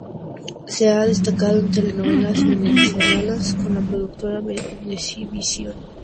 Se ha destacado en telenovelas venezolanas con la productora Venevisión.